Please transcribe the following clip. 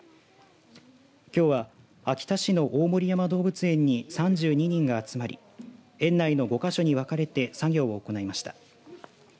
きょうは、秋田市の大森山動物園に３２人が集まり園内の５か所に分かれて作業を行いました。